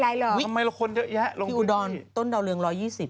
พี่อูดอลต้นเดาเรือง๑๒๐